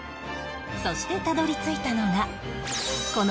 そしてたどり着いたのがこの